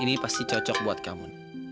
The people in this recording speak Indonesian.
ini pasti cocok buat kamu